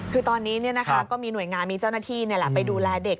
คือตอนนี้ก็มีหน่วยงานมีเจ้าหน้าที่ไปดูแลเด็ก